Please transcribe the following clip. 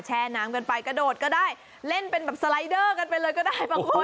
แช่น้ำกันไปกระโดดก็ได้เล่นเป็นแบบสไลเดอร์กันไปเลยก็ได้บางคน